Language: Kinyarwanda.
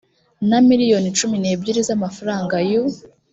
na miliyoni cumi n ebyiri z amafaranga y u